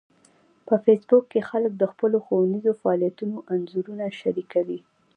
په فېسبوک کې خلک د خپلو ښوونیزو فعالیتونو انځورونه شریکوي